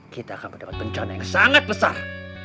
kita akan mendapat bencana yang sangat besar